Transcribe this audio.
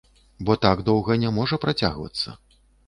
Бо так доўга не можа працягвацца.